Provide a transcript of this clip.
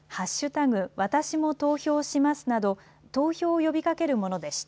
わたしも投票しますなど投票を呼びかけるものでした。